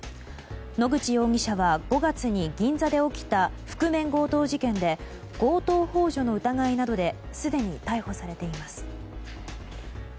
野口容疑者は５月に銀座で起きた覆面強盗事件で強盗幇助の疑いなどですでに逮捕されています。